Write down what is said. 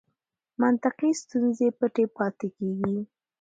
منطقي ستونزې پټې پاتې کېږي.